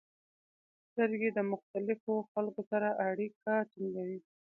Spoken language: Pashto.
• سترګې د مختلفو خلکو سره اړیکه ټینګوي.